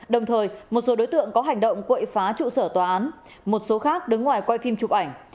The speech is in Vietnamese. đồng thời một số đối tượng có hành động quậy phá trụ sở tòa án một số khác đứng ngoài quay phim chụp ảnh